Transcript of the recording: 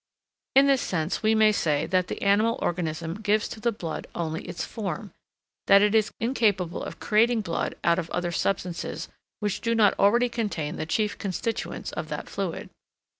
In this sense we may say that the animal organism gives to the blood only its form; that it is incapable of creating blood out of other substances which do not already contain the chief constituents of that fluid.